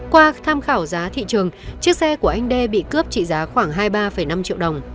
qua tham khảo giá thị trường chiếc xe của anh đê bị cướp trị giá khoảng hai mươi ba năm triệu đồng